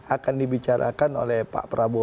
akan dibicarakan oleh pak prabowo